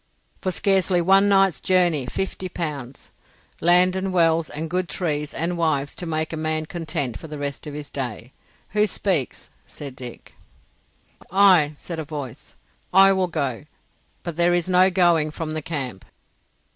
"For scarcely one night's journey—fifty pounds. Land and wells and good trees and wives to make a man content for the rest of his days. Who speaks?" said Dick. "I," said a voice. "I will go—but there is no going from the camp."